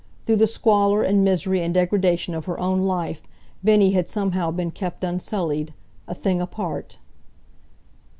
Through the squalor and misery and degradation of her own life Bennie had somehow been kept unsullied, a thing apart.